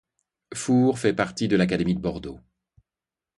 Fours fait partie de l'académie de Bordeaux.